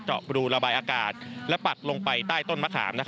บรูระบายอากาศและปัดลงไปใต้ต้นมะขาม